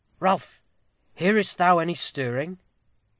_ Ralph! hearest thou any stirring?